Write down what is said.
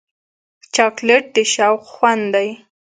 چاکلېټ د شوق خوند دی.